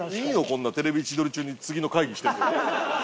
こんな『テレビ千鳥』中に次の会議してて。